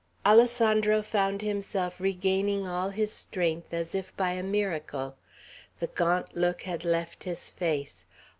Alessandro found himself regaining all his strength as if by a miracle. The gaunt look had left his face.